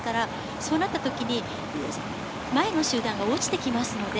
そうなった時、前の集団が落ちてきます。